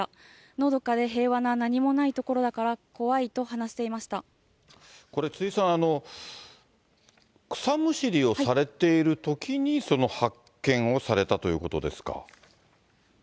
のどかで平和な何もない所だから、これ、辻さん、草むしりをされているときに発見をされたということですか。